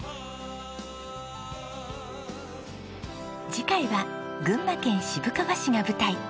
次回は群馬県渋川市が舞台。